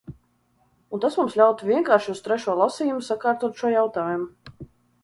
Un tas mums ļautu vienkārši uz trešo lasījumu sakārtot šo jautājumu.